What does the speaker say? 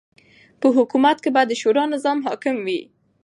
په حکومت کی به د شورا نظام حاکم وی